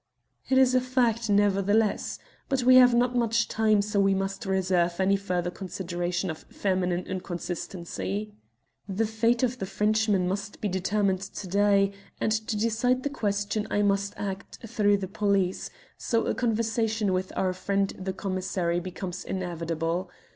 "It is a fact nevertheless. But we have not much time, so we must reserve any further consideration of feminine inconsistency. The fate of the Frenchman must be determined to day, and to decide the question I must act through the police, so a conversation with our friend the commissary becomes inevitable.